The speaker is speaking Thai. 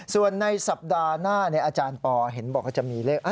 ส่วนในสัปดาห์หน้าอาจารย์ปอเห็นบอกว่าจะมีเลข